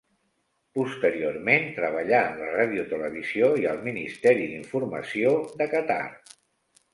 Posteriorment, treballà en la Radiotelevisió i al Ministeri d'Informació de Qatar.